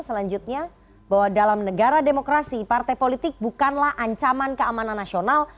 selanjutnya bahwa dalam negara demokrasi partai politik bukanlah ancaman keamanan nasional